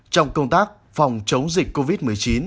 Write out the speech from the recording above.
trong công tác phòng chống dịch covid một mươi chín